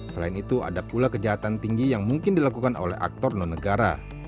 selain itu ada pula kejahatan tinggi yang mungkin dilakukan oleh aktor non negara